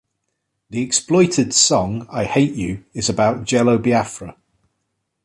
The Exploited's song "I Hate You" is about Jello Biafra.